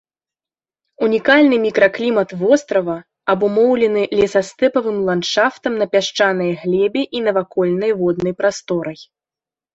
Унікальны мікраклімат вострава, абумоўлены лесастэпавым ландшафтам на пясчанай глебе і навакольнай воднай прасторай.